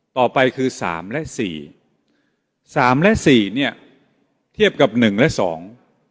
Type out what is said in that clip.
ต่อไปคือสามและสี่สามและสี่เนี้ยเทียบกับหนึ่งและสอง